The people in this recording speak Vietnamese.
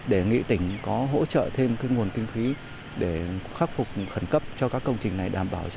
để nghị tỉnh có hỗ trợ thêm cái nguồn kinh khí để khắc phục khẩn cấp cho các công trình này